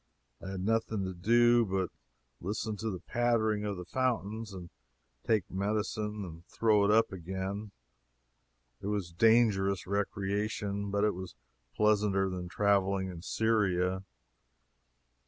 I had nothing to do but listen to the pattering of the fountains and take medicine and throw it up again. It was dangerous recreation, but it was pleasanter than traveling in Syria.